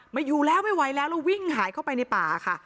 ไม่อยู่แล้วไม่ไหวแล้วแล้ววิ่งหายเข้าไปในป่าค่ะ